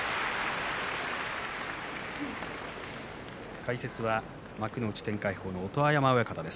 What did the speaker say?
解説は幕内天鎧鵬の音羽山親方です。